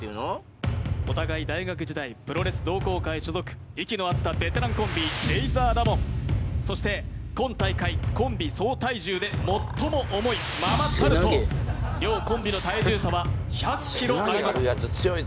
お互い大学時代プロレス同好会所属息の合ったベテランコンビレイザーラモンそして今大会コンビ総体重で最も重いママタルト両コンビの体重差は１００ｋｇあります